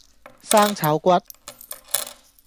生炒骨